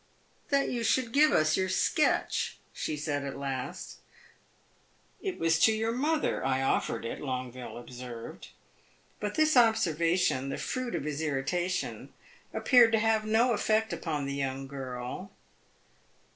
"That you should give us your sketch," she said at last. "It was to your mother I offered it," Longueville observed. But this observation, the fruit of his irritation, appeared to have no effect upon the young girl.